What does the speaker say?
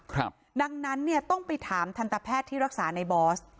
ครับดังนั้นเนี่ยต้องไปถามทันตแพทย์ที่รักษาในบอส